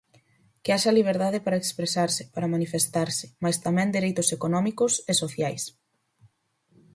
Que haxa liberdade para expresarse, para manifestarse, mais tamén dereitos económicos e sociais.